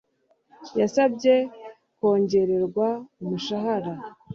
Yasabye kongererwa umushahara